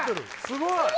すごい！